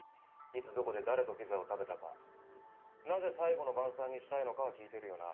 いつどこで誰とピザを食べたかなぜ最後の晩餐にしたいのかは聞いてるよな？